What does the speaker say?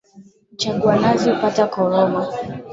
Mchagua nazi hupata koroma